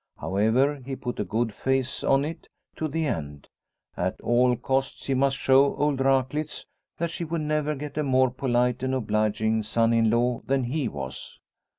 However, he put a good face on it to the end ; at all costs he must show old Raklitz that she would never get a more polite and obliging son in law than 1 86 Liliecrona's Home he was.